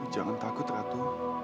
jangan takut ratu